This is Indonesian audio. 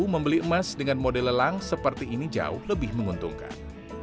membeli emas dengan model lelang seperti ini jauh lebih menguntungkan